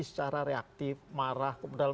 secara reaktif marah kemudian